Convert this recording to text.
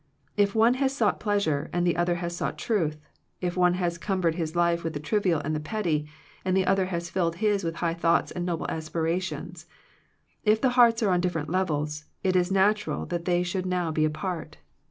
If one has sought pleasure, and the other has sought truth; if one has cumbered his life with the trivial and the petty, and the other has filled his with high thoughts and noble aspirations; if their hearts are on different levels, it is natural that they should now be apart.